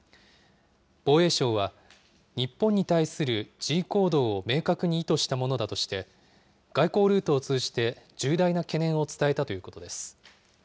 防衛省は、日本に対する示威行動を明確に意図したものだとして、外交ルートを通じて重大な懸念を伝えたということです。